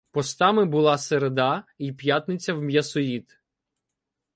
Постами були середа й п'ятниця в м'ясоїд.